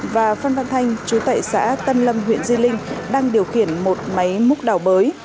và phân văn thanh chú tệ xã tân lâm huyện di linh đang điều khiển một máy múc đảo bới